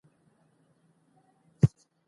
هاضمه د قدم وهلو له لارې ښه کېږي.